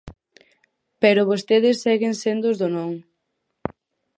Pero vostedes seguen sendo os do non.